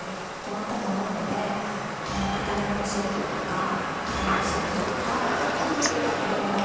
ママタレのお仕事とか歌のお仕事とか。